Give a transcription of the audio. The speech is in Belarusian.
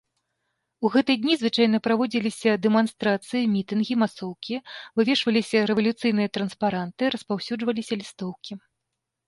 У гэтыя дні звычайна праводзіліся дэманстрацыі, мітынгі, масоўкі, вывешваліся рэвалюцыйныя транспаранты, распаўсюджваліся лістоўкі.